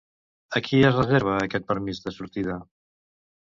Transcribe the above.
A qui es reserva aquest permís de sortida?